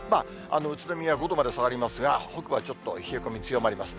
宇都宮、５度まで下がりますが、北部はちょっと冷え込み強まります。